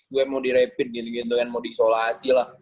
gue mau direpit gitu gitu kan mau diisolasi lah